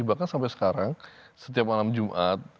bahkan sampai sekarang setiap malam jumat